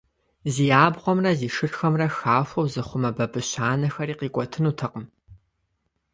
Зи абгъуэмрэ зи шырхэмрэ «хахуэу» зыхъумэ бабыщ анэхэри къикӀуэтынутэкъым.